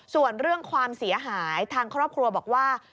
ส่วนเรื่องความเสียหายทางครอบครัวบอกว่า